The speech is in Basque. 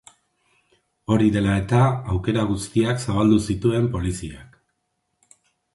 Hori dela eta, aukera guztiak zabaldu zituen poliziak.